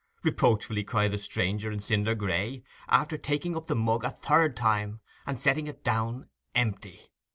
reproachfully cried the stranger in cinder gray, after taking up the mug a third time and setting it down empty.